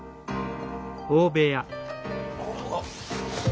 あっ。